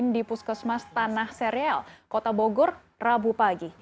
di puskesmas tanah serial kota bogor rabu pagi